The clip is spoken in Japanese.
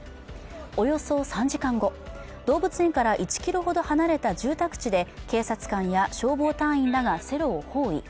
およそ３時間後、動物園から１ｋｍほど離れた住宅地で警察官や消防隊員らがセロを包囲。